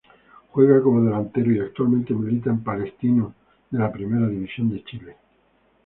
Juega como delantero y actualmente milita en Palestino de la Primera División de Chile.